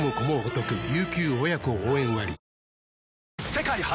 世界初！